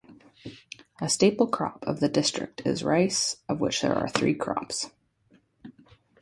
The staple crop of the district is rice, of which there are three crops.